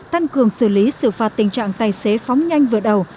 tăng cường xử lý xử phạt tình trạng tài xế phóng nhanh vừa đầu